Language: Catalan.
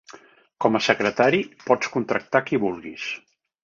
Com a secretari, pots contractar qui vulguis.